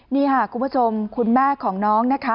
นี่ค่ะคุณผู้ชมคุณแม่ของน้องนะคะ